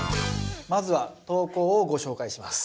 まずは投稿をご紹介します。